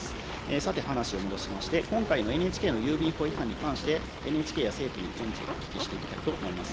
さて、話を戻しまして、今回のＮＨＫの郵便法違反に関して、ＮＨＫや政府に順次、お聞きしていきたいと思います。